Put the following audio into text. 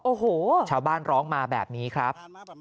โอ้โหชาวบ้านร้องมาแบบนี้ครับ